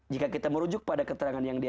jika kita merujuk pada keterangan yang dia